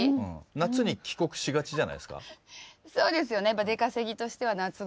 夏に帰国しがちじゃないですか？